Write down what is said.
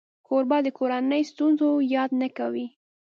کوربه د کورنۍ ستونزو یاد نه کوي.